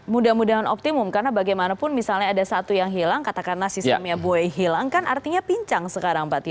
mudah mudahan optimum karena bagaimanapun misalnya ada satu yang hilang katakanlah sistemnya buai hilang kan artinya pincang sekarang pak tia